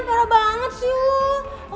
parah banget sih lo